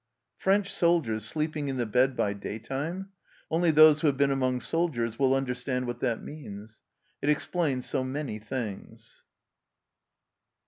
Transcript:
French soldiers sleeping in the bed by daytime ! Only those who have been among soldiers will understand what that means.